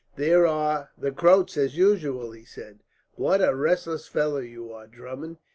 "There are the Croats, as usual," he said. "What a restless fellow you are, Drummond!